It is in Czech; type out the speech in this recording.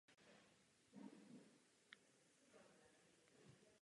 Musíme samozřejmě pořádně projednat všechny možnosti, včetně urychleného zavedení eura.